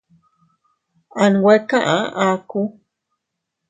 Anwe kaʼa akuu.